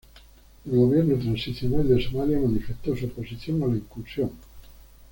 El Gobierno Transicional de Somalia manifestó su oposición a la incursión.